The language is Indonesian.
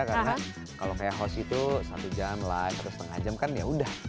karena kalau kayak host itu satu jam live setengah jam kan ya udah